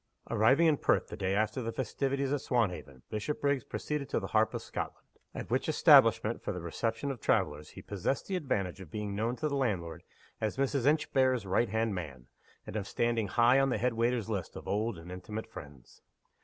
Arriving in Perth the day after the festivities at Swanhaven, Bishopriggs proceeded to the Harp of Scotland at which establishment for the reception of travelers he possessed the advantage of being known to the landlord as Mrs. Inchbare's right hand man, and of standing high on the head waiter's list of old and intimate friends.